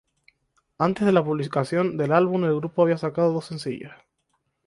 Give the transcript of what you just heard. Antes de la publicación del álbum, el grupo había sacado dos sencillos.